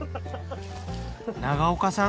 長岡さん